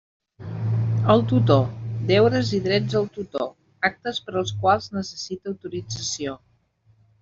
El tutor; deures i drets del tutor; actes per als quals necessita autorització.